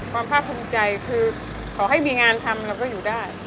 ภาคภูมิใจคือขอให้มีงานทำเราก็อยู่ได้